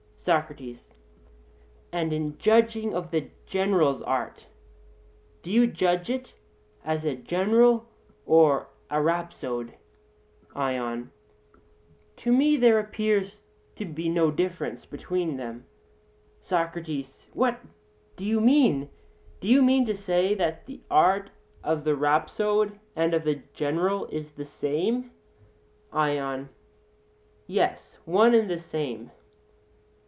SOCRATES: And in judging of the general's art, do you judge of it as a general or a rhapsode? ION: To me there appears to be no difference between them. SOCRATES: What do you mean? Do you mean to say that the art of the rhapsode and of the general is the same? ION: Yes, one and the same.